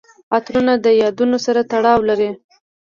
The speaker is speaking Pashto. عطرونه د یادونو سره تړاو لري.